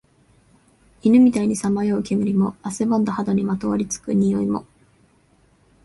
犬みたいにさまよう煙も、汗ばんだ肌にまとわり付く臭いも、